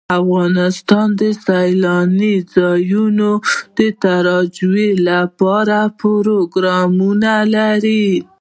افغانستان د سیلاني ځایونو د ترویج لپاره پروګرامونه لري.